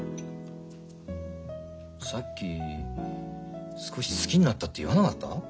さっき「少し好きになった」って言わなかった？